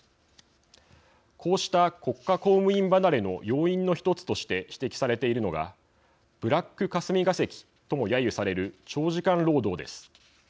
こうした国家公務員離れの要因の１つとして指摘されているのがブラック霞が関ともやゆされる長時間労働です。